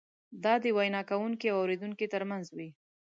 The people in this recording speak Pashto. دا د وینا کوونکي او اورېدونکي ترمنځ وي.